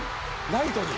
ライトに。